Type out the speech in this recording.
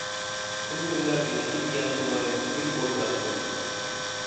كۈن كۈنلەپ ھېچكىمگە گەپ قىلماي تۈگۈلۈپ ئولتۇراتتىم.